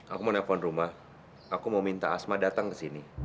aku mau nelfon rumah aku mau minta asma datang ke sini